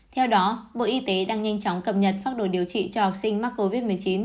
theo đó bộ y tế đang nhanh chóng cập nhật pháp đồ điều trị cho học sinh mắc covid một mươi chín